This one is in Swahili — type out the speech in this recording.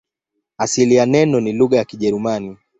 Asili ya neno ni lugha ya Kijerumani.